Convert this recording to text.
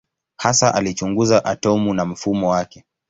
Hasa alichunguza atomu na mfumo wake.